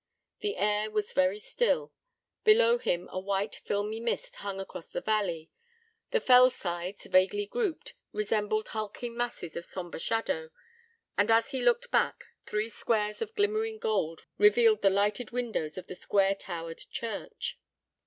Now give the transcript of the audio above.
The air was very still; below him a white filmy mist hung across the valley: the fell sides, vaguely grouped, resembled hulking masses of sombre shadow; and, as he looked back, three squares of glimmering gold revealed the lighted windows of the square towered church.